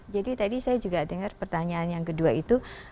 jadi tadi saya juga dengar pertanyaan yang kedua itu